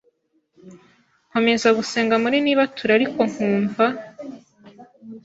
nkomeza gusenga muri nibature ariko nkumva